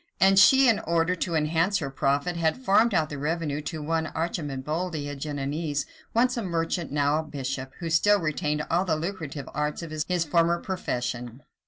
and she, in order to enhance her profit, had farmed out the revenue to one Arcemboldi, a Genoese, once a merchant, now a bishop, who still retained all the lucrative arts of his former profession.